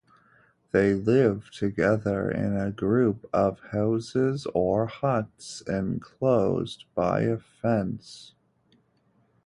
They live together in a group of houses or huts enclosed by a fence.